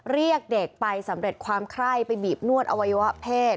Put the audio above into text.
เรียกเด็กไปสำเร็จความไคร้ไปบีบนวดอวัยวะเพศ